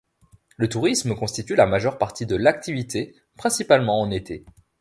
Le tourisme constitue la majeure partie de l'activité, principalement en été.